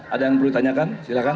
ada yang perlu ditanyakan silakan